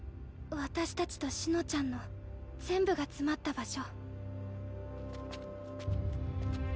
私たちと紫乃ちゃんの全部が詰まった場所。